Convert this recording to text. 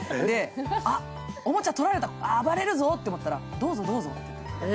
おもちゃとられた暴れるぞってなったらどうぞどうぞって。